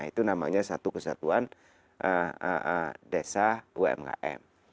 itu namanya satu kesatuan desa umkm